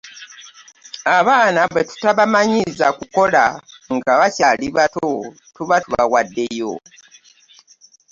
Abaana bwe tutabamanyiiza kukola nga bakyali bato tuba tubawaddeyo.